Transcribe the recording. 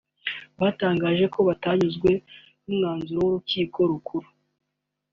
batangaje ko batanyuzwe n’umwanzuro w’Urukiko Rukuru